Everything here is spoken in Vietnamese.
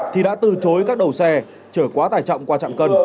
thì đã từ chối các đầu xe trở qua tải trọng qua trạm cân